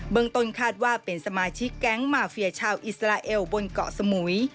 เมืองต้นคาดว่าเป็นสมาชิกแก๊งมาเฟียชาวอิสราเอลบนเกาะสมุย